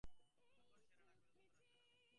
যতক্ষণ সে না ডাকবে, ততক্ষণ আসবে না।